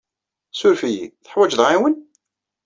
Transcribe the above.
Ssuref-iyi. Teḥwajeḍ aɛiwen?